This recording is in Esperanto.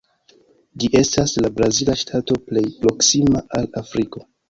Ĝi estas la brazila ŝtato plej proksima al Afriko.